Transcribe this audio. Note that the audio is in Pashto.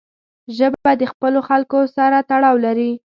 ژبه د خپلو خلکو سره تړاو لري